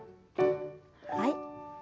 はい。